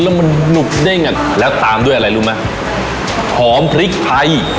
แล้วมันหนุบเด้งอ่ะแล้วตามด้วยอะไรรู้ไหมหอมพริกไทย